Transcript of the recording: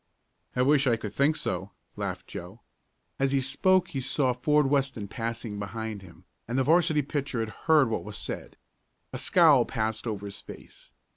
"I wish I could think so," laughed Joe. As he spoke he saw Ford Weston passing behind him, and the 'varsity pitcher had heard what was said. A scowl passed over his face.